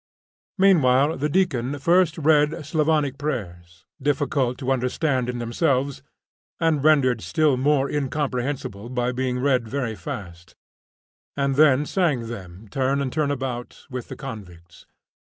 Meanwhile the deacon first read Slavonic prayers, difficult to understand in themselves, and rendered still more incomprehensible by being read very fast, and then sang them turn and turn about with the convicts.